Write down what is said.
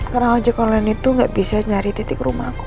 karena aku ajak call in itu gak bisa nyari titik rumah aku